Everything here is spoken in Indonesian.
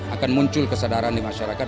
akan muncul kesadaran di masyarakat